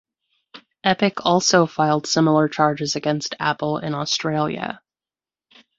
Epic also filed similar charges against Apple in Australia.